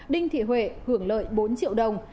đinh thị huệ hưởng lợi bốn triệu đồng